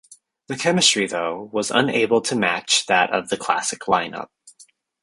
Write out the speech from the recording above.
The chemistry though, was unable to match that of the classic line-up.